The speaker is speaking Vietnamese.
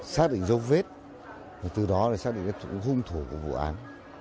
xác định dấu vết từ đó xác định hùng thủ của vụ án